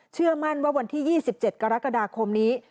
เชื่อมั่นว่าวันที่๒๗กรกฎาคมนี้